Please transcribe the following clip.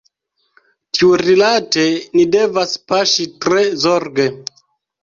Tiurilate ni devas paŝi tre zorge.